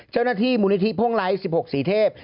เจ้าหน้าที่มูลนิธิพ่งไลท์๑๖สีเทพ